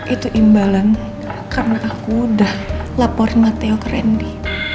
itu imbalan karena aku sudah laporin matteo ke randy